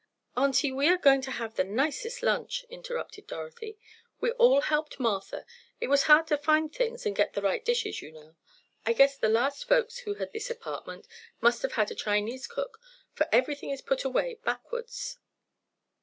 "Aunty, we are going to have the nicest lunch," interrupted Dorothy. "We all helped Martha; it was hard to find things, and get the right dishes, you know. I guess the last folks who had this apartment must have had a Chinese cook, for everything is put away backwards."